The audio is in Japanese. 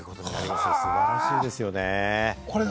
素晴らしいですよね。